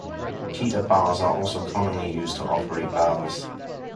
Cheater bars are also commonly used to operate valves.